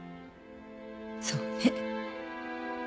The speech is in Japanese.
そうね。